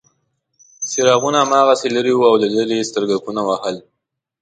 څراغونه هماغسې لرې وو او له لرې یې سترګکونه وهل.